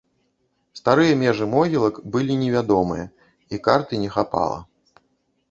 Старыя межы могілак былі невядомыя і карты не хапала.